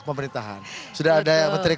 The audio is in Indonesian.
pemerintahan sudah ada menteri